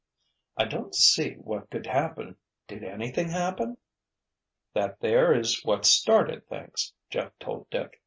"I don't see what could happen—did anything happen?" "That there is what started things," Jeff told Dick.